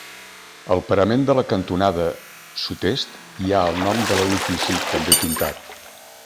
Al parament de la cantonada sud-est hi ha el nom de l'edifici també pintat.